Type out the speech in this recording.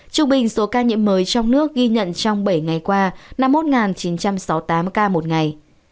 trùng bình số ca nhiễm mới trong nước ghi nhận trong bảy ngày qua là một chín trăm sáu mươi tám ca một ngày